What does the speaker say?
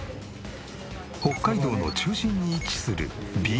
北海道の中心に位置する美瑛。